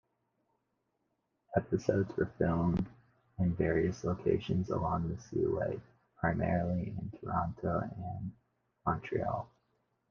Episodes were filmed in various locations along the seaway, primarily Toronto and Montreal.